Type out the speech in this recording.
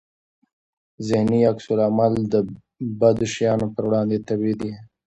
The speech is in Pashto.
ذهني عکس العمل د بدو شیانو پر وړاندې طبيعي دی.